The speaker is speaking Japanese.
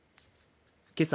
けさ